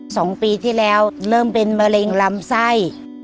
สองปีที่แล้วเริ่มเป็นมะเร็งลำไส้